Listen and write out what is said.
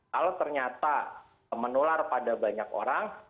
kalau ternyata menular pada banyak orang